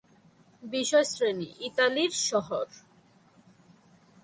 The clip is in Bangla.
বিষয়শ্রেণী:ইতালির শহর